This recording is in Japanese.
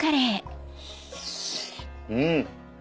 うん！